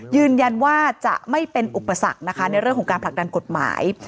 ยืนยันว่าจะไม่เป็นอุปสรรคนะคะในเรื่องของการผลักดันกฎหมาย